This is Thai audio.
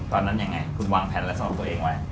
ตอนนั้นยังไงคุณวางแผนและซ่อนตัวเองไว้